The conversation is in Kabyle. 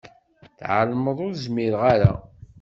Tɛelmeḍ ur zmireɣ ara.